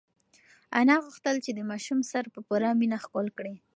انا غوښتل چې د ماشوم سر په پوره مینه ښکل کړي.